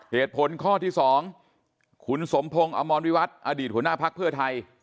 เหตุผลข้อที่๒คุณสมพงศ์อมรวิวัตรอดีตหัวหน้าภักดิ์เพื่อไทย